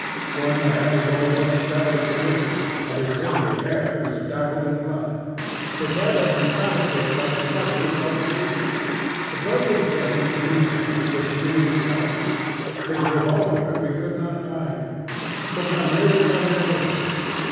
One hand was almost severed at the wrist and his silvery hair was dabbled in blood. His head had been battered in by the fetters of the puma. The broken canes beneath him were smeared with blood. His revolver we could not find. Montgomery turned him over.